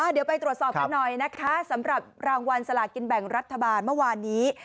เดี๋ยวไปตรวจสอบกันหน่อยนะคะสำหรับรางวัลสลากินแบ่งรัฐบาลเมื่อวานนี้